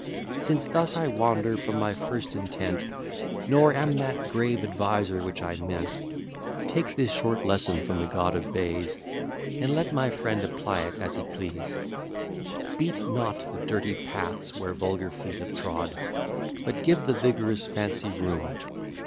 Since thus I wander from my first intent, Nor am that grave adviser which I meant, Take this short lesson from the god of bays, And let my friend apply it as he please: Beat not the dirty paths where vulgar feet have trod, But give the vigorous fancy room.